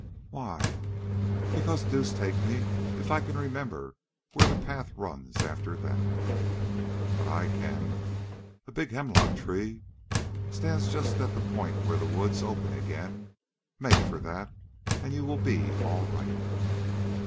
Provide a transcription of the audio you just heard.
"Why?" "Because, deuce take me if I can remember where the path runs after that." "But I can. A big hemlock tree stands just at the point where the woods open again. Make for that and you will be all right."